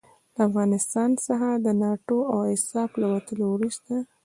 له افغانستان څخه د ناټو او ایساف له وتلو وروسته.